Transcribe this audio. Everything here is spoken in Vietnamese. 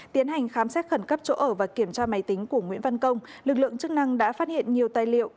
tiến hành khám xét khẩn cấp chỗ ở và kiểm tra máy tính của nguyễn văn công lực lượng chức năng đã phát hiện nhiều tài liệu